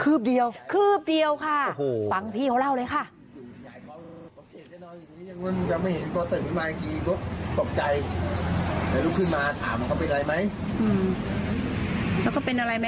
ืบเดียวคืบเดียวค่ะฟังพี่เขาเล่าเลยค่ะ